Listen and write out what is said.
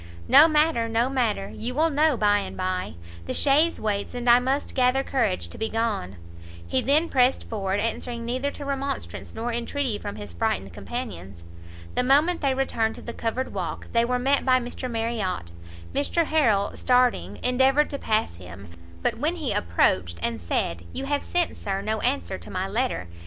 "No matter, no matter, you will know by and by; the chaise waits, and I must gather courage to be gone." He then pressed forward, answering neither to remonstrance nor intreaty from his frightened companions. The moment they returned to the covered walk, they were met by Mr Marriot; Mr Harrel, starting, endeavoured to pass him; but when he approached, and said "you have sent, Sir, no answer to my letter!"